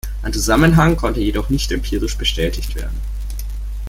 Ein Zusammenhang konnte jedoch nicht empirisch bestätigt werden.